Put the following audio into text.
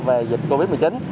về dịch covid một mươi chín